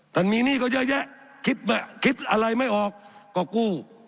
ท่านมีหนี้ก็เยอะแยะคิดอะไรไม่ออกก็กู้